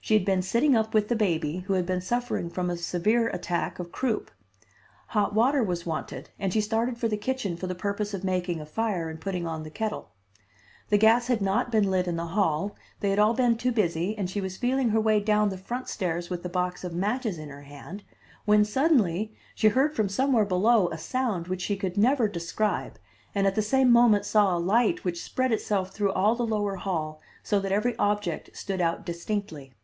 She had been sitting up with the baby, who had been suffering from a severe attack of croup. Hot water was wanted, and she started for the kitchen for the purpose of making a fire and putting on the kettle. The gas had not been lit in the hall they had all been too busy, and she was feeling her way down the front stairs with a box of matches in her hand, when suddenly she heard from somewhere below a sound which she could never describe, and at the same moment saw a light which spread itself through all the lower hall so that every object stood out distinctly.